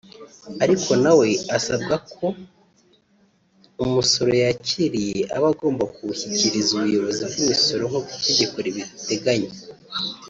Ariko na we asabwa ko umusoro yakiriye aba agomba kuwushyikiriza ubuyobozi bw’imisoro nk’uko itegeko ribiteganya